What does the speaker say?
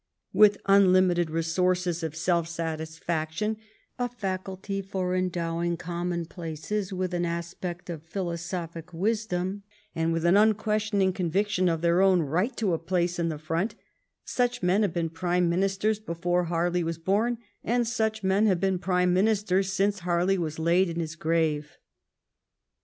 With unlimited resources of self satisfaction, a faculty for endowing commonplaces with an aspect of philosophic wisdom, and with an unquestioning conviction of their 333 THE REIGN OF QUEEN ANNE own right to a place in the front, such men have been prime ministers before Harley was bom and snch men have been prime ministers since Harley was laid in the grave.